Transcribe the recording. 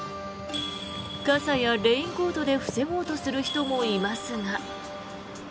傘やレインコートで防ごうとする人もいますが。